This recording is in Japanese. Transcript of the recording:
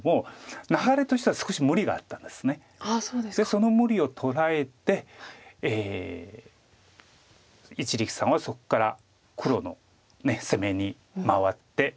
その無理を捉えて一力さんはそこから黒の攻めに回って。